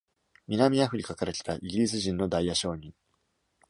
南アフリカから来たイギリス人のダイヤ商人。